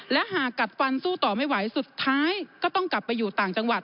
และหากกัดฟันสู้ต่อไม่ไหวสุดท้ายก็ต้องกลับไปอยู่ต่างจังหวัด